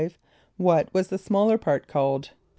= What was the smaller part called?